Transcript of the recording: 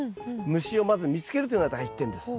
虫をまず見つけるというのが第一点です。